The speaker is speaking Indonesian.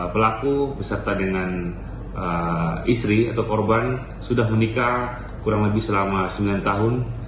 pelaku beserta dengan istri atau korban sudah menikah kurang lebih selama sembilan tahun